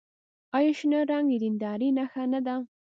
آیا شنه رنګ د دیندارۍ نښه نه ده؟